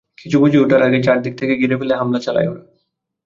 কিছু বুঝে ওঠার আগেই চারদিক থেকে ঘিরে ফেলে হামলা চালায় ওরা।